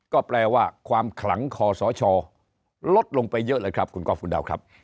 ก็แปลว่าความขลังคอสชลดลงไปเยอะเลยครับคุณก๊อฟคุณดาวครับ